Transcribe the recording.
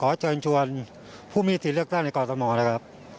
เชิญชวนผู้มีสิทธิ์เลือกตั้งในกรทมนะครับ